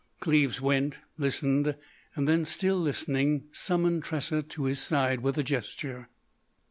Cleves went; listened, then, still listening, summoned Tressa to his side with a gesture.